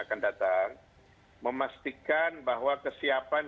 akan datang memastikan bahwa kesiapan